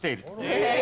えっ！